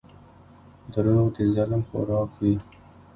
• دروغ د ظلم خوراک وي.